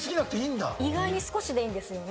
意外に少しでいいんですよね。